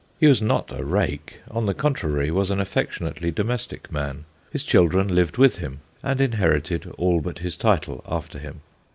He was not a rake ; on the contrary, was an affectionately domestic man. His children lived with him, and inherited all but his title after him.